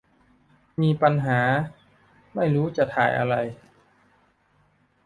มีปัญหาไม่รู้จะถ่ายอะไร